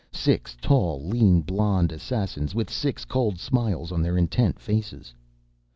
Six tall, lean, blond assassins, with six cold smiles on their intent faces.